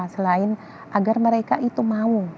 selain agar mereka itu mau